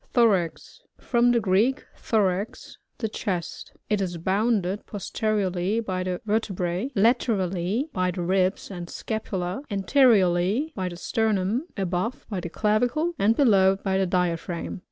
Thorax. — From the Greek, thSrax^ the chest. It is bounded posteriorly b^ the vertebrsB ; laterally, by the ribs and scapula; anteriorly, by the sternum ; above, by the clavicle ; and below by the diaphragm.